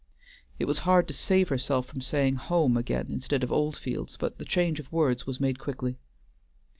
It was hard to save herself from saying "home" again, instead of Oldfields, but the change of words was made quickly.